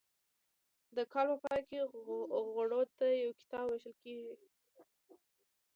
د کال په پای کې غړو ته یو کتاب ویشل کیږي.